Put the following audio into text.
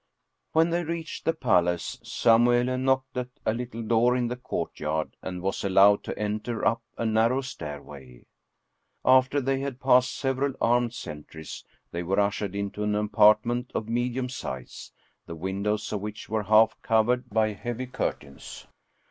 When they reached the palace, Samuele knocked at a lit tle door in the courtyard and was allowed to enter up a narrow stairway. After they had passed several armed sentries, they were ushered into an apartment of medium size, the windows of which were half covered by heavy curtains.